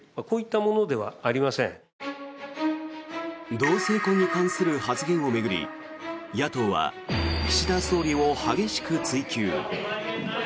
同性婚に関する発言を巡り野党は岸田総理を激しく追及。